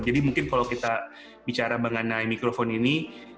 jadi mungkin kalau kita bicara mengenai mikrofon ini